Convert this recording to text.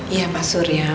iya pak surya